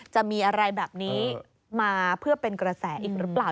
จะมีอะไรแบบนี้มาเพื่อเป็นกระแสอีกหรือเปล่า